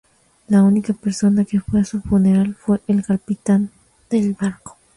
La única persona que fue a su funeral fue el capitán del barco.